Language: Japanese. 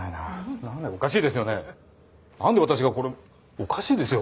何で私がこれおかしいですよ。